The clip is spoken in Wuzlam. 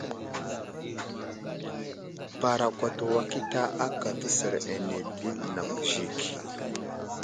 Parakwato wakita aka təsər ane di nakw Zik.